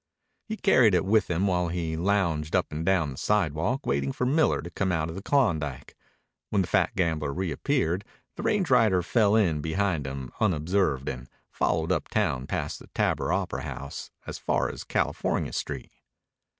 He carried it with him while he lounged up and down the sidewalk waiting for Miller to come out of the Klondike. When the fat gambler reappeared, the range rider fell in behind him unobserved and followed uptown past the Tabor Opera House as far as California Street.